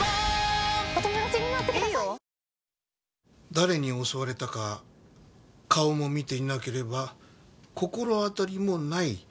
誰に襲われたか顔も見ていなければ心当たりもない。